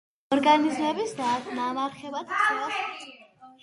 ორგანიზმების ნამარხებად ქცევას მრავალი წელი და განსაკუთრებული პირობები სჭირდება.